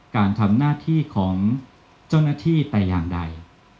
การทำหน้าที่ของเจ้าหน้าที่แต่อย่างใด